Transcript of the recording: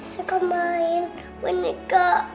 suka main boneka